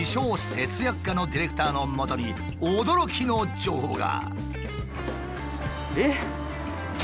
節約家のディレクターのもとに驚きの情報が。